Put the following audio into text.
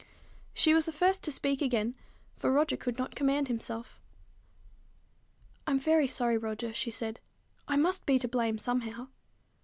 She was the first to speak again, for Roger could not command himself. "I'm very sorry, Roger," she said. "I must be to blame somehow."